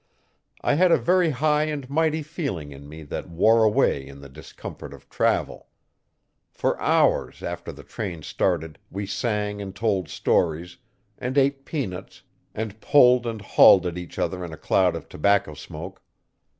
I had a very high and mighty feeling in me that wore away in the discomfort of travel. For hours after the train started we sang and told stories, and ate peanuts and pulled and hauled at each other in a cloud of tobacco smoke.